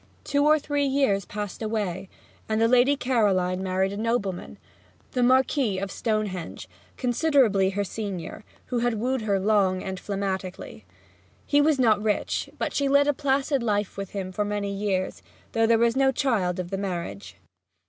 Two or three years passed away, and the Lady Caroline married a nobleman the Marquis of Stonehenge considerably her senior, who had wooed her long and phlegmatically. He was not rich, but she led a placid life with him for many years, though there was no child of the marriage.